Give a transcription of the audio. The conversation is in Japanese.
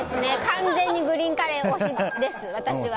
完全に私はグリーンカレー推しです。